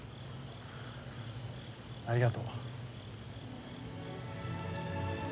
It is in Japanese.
ありがとう。